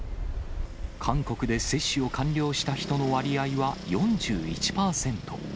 韓国で接種を完了した人の割合は４１％。